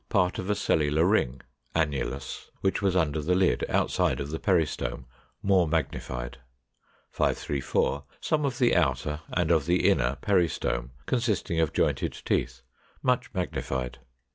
Part of a cellular ring (annulus) which was under the lid, outside of the peristome, more magnified. 534. Some of the outer and of the inner peristome (consisting of jointed teeth) much magnified.